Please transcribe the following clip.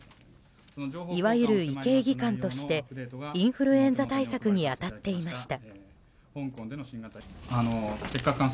いわゆる医系技官としてインフルエンザ対策に当たっていました。